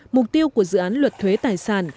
mục tiêu của dự án luật thuế tài sản